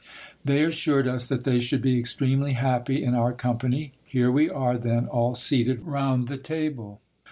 They assured us that they should be extremely happy in our company. Here we are, then, all seated round the table.